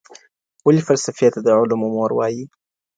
ولي فلسفې ته د علومو مور وايي؟